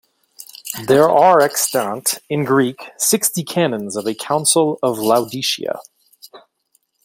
There are extant, in Greek, sixty canons of a Council of Laodicea.